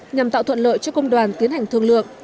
nhằm tạo thuận lợi cho công đoàn tiến hành thương lượng